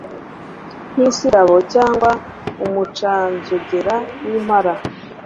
nk isirabo cyangwa umucanzogera w impara